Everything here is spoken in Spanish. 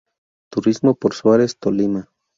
Turismo por Suárez, Tolima.